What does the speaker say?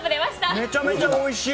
めちゃめちゃおいしい！